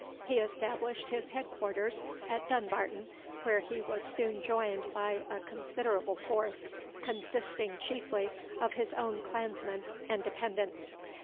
He established his head quarters at Dunbarton, where he was soon joined by a considerable force, consisting chiefly of his own clansmen and dependants.